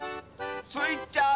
スイちゃん